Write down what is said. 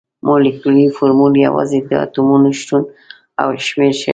مالیکولي فورمول یوازې د اتومونو شتون او شمیر ښيي.